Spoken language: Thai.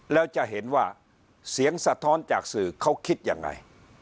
แล้วจะเห็นว่าเสียงสะท้อนจากสื่อเขาคิดยังไง